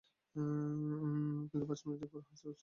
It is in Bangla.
কিন্তু পাঁচ মিনিট হাঁটার পরই অস্থির হইয়্যা যাই।